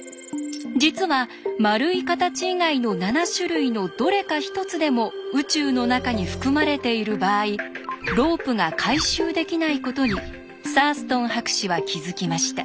実は丸い形以外の７種類のどれか一つでも宇宙の中に含まれている場合ロープが回収できないことにサーストン博士は気付きました。